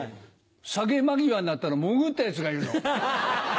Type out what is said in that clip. サゲ間際になったら潜ったヤツがいるの。